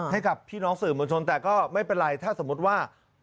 ให้กับพี่น้องสื่อมวลชนแต่ก็ไม่เป็นไรถ้าสมมติว่า